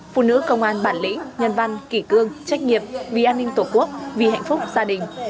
phụ nữ công an bản lĩnh nhân văn kỷ cương trách nghiệp vì an ninh tổ quốc vì hạnh phúc gia đình